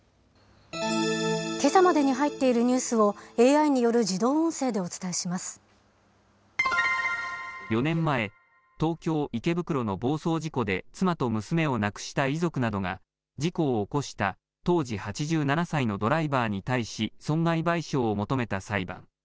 けさまでに入っているニュースを、ＡＩによる自動音声でお伝４年前、東京・池袋の暴走事故で、妻と娘を亡くした遺族などが、事故を起こした当時８７歳のドライバーに対し、損害賠償を求めた裁判。